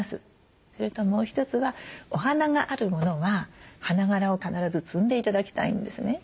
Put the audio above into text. それともう一つはお花があるものは花がらを必ず摘んで頂きたいんですね。